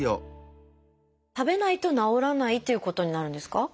食べないと治らないということになるんですか？